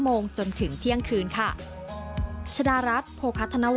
โอ้โฮ